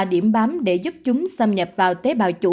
điểm bám để giúp chúng xâm nhập vào tế bào chủ